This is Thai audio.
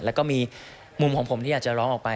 แล้วก็มีมุมของผมที่อยากจะร้องออกไป